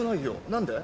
何で？